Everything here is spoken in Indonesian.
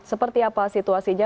seperti apa situasinya